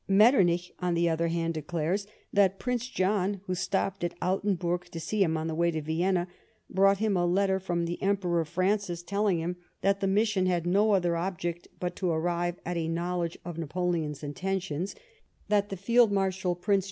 IMetternich, on the other hand, declares that Prince John, who stojtpod at Altenburg to see him on his way to Vienna, brought him a letter from the Emperor Francis telling him that the mission had no other object but to arrive at a knowledge of Napoleon's intentions ; tiiat the Field Marsiuil (Prince THE WAR OF 1809.